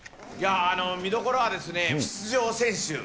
見どころは、出場選手。